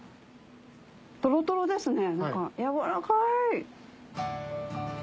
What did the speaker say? トロトロですね中やわらかい。